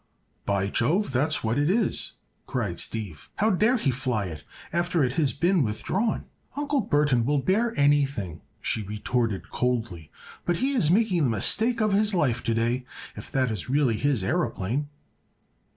"By Jove! That's what it is!" cried Steve. "How dare he fly it, after it has been withdrawn?" "Uncle Burthon will dare anything," she retorted, coldly. "But he is making the mistake of his life to day—if that is really his aëroplane."